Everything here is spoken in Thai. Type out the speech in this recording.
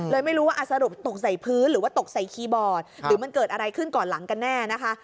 ไม่รู้ว่าสรุปตกใส่พื้นหรือว่าตกใส่คีย์บอร์ดหรือมันเกิดอะไรขึ้นก่อนหลังกันแน่นะคะ